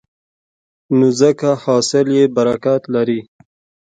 نو ځکه حاصل یې برکت لري.